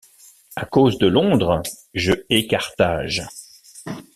À cause de Londres? je hais Carthage.